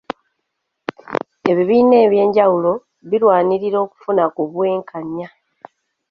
Ebibiina ebyenjawulo birwanirira okufuna ku bwenkanya .